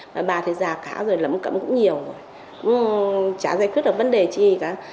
mà bà thì già cả rồi lắm cậm cũng nhiều rồi chả giải quyết được vấn đề gì cả